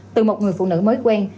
từ một người phụ nữ mới quen